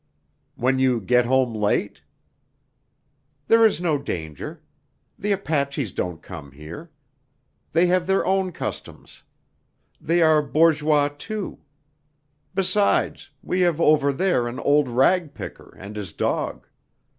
"When you get home late?" "There is no danger. The Apaches don't come here. They have their own customs. They are bourgeois, too. Besides, we have over there an old ragpicker, and his dog.